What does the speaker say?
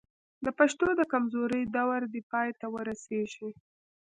د پښتو د کمزورۍ دور دې پای ته ورسېږي.